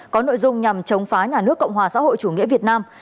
có nội dung nhằm chống phá nhà nước cộng hòa xã hội chủ nghĩa việt nam